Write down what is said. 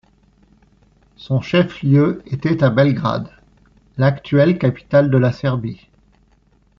Son chef lieu était à Belgrade, l'actuelle capitale de la Serbie.